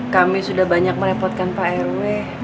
kami sudah banyak merepotkan pak rw